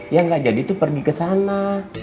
yang gak jadi itu pergi ke sana